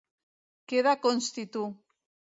Queda constitu